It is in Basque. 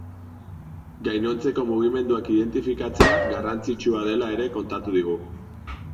Gainontzeko mugimenduak identifikatzea garrantzitsua dela ere kontatu digu.